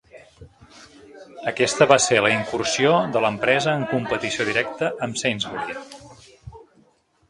Aquesta va ser la incursió de l'empresa en competició directa amb Sainsbury.